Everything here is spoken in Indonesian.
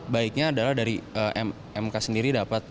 baiknya adalah dari mk sendiri dapat